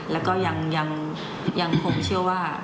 แล้วก็ยังคงเชื่อว่า